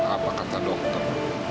apa kata dokter